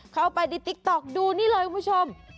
เข้าไปในติ๊กต๊อกดูนี่เลยคุณผู้ชม